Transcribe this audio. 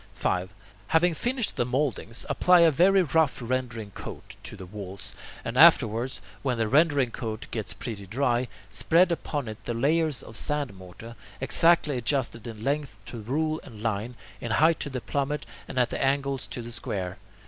5. Having finished the mouldings, apply a very rough rendering coat to the walls, and afterwards, when the rendering coat gets pretty dry, spread upon it the layers of sand mortar, exactly adjusted in length to rule and line, in height to the plummet, and at the angles to the square.